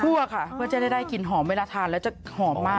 ค่ะเพื่อจะได้กลิ่นหอมเวลาทานแล้วจะหอมมาก